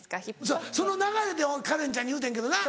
そうその流れでカレンちゃんに言うてんけどな。